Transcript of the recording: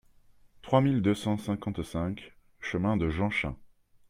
trois mille deux cent cinquante-cinq chemin de Jeanchin